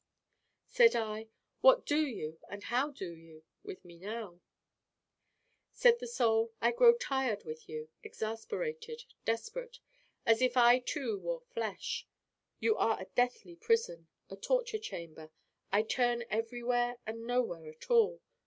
Said I: 'What do you, and how do you, with me now?' Said the Soul: 'I grow tired with you. Exasperated. Desperate. As if I too wore flesh. You are a deathly prison, a torture chamber. I turn everywhere and nowhere at all.